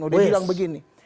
dia bilang begini